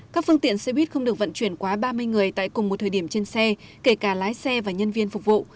các phương tiện xe buýt không được vận chuyển quá ba mươi người tại cùng một thời điểm trên xe kể cả lái xe và nhân viên phục vụ